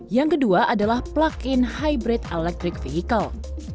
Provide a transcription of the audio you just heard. yang kedua adalah plug in hybrid electric vehicle